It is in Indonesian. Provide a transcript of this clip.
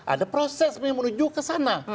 ada proses yang menuju ke sana